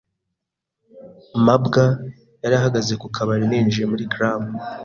mabwa yari ahagaze ku kabari ninjiye muri club.